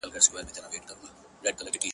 نه يې وليده كراره ورځ په ژوند كي.!